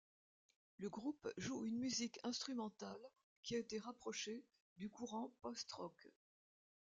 Le groupe joue une musique instrumentale qui a été rapprochée du courant post-rock.